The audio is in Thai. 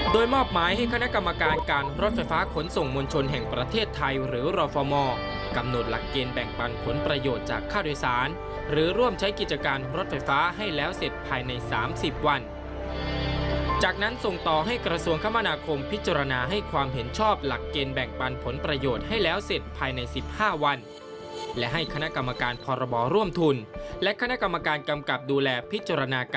โดยมอบหมายให้คณะกรรมการการรถไฟฟ้าขนส่งมวลชนแห่งประเทศไทยหรือรฟมกำหนดหลักเกณฑ์แบ่งปันผลประโยชน์จากค่าโดยสารหรือร่วมใช้กิจการรถไฟฟ้าให้แล้วเสร็จภายใน๓๐วันจากนั้นส่งต่อให้กระทรวงคมนาคมพิจารณาให้ความเห็นชอบหลักเกณฑ์แบ่งปันผลประโยชน์ให้แล้วเสร็จ